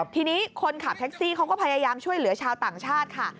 ทีนี้คนขับแท็กซี่เขาก็พยายามช่วยเหลือชาวต่างชาติค่ะ